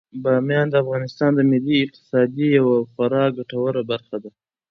بامیان د افغانستان د ملي اقتصاد یوه خورا ګټوره برخه ده.